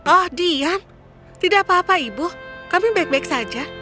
oh diam tidak apa apa ibu kami baik baik saja